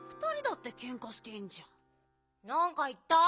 なんかいった？